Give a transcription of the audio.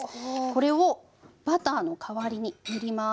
これをバターの代わりに塗ります。